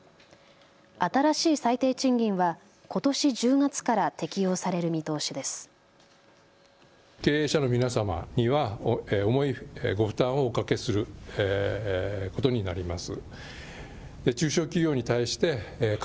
新しい最低賃金はことし１０月から適用される見通しです。